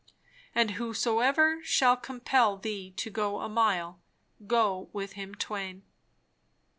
And whosoever shall compel thee to go a mile, go with him twain."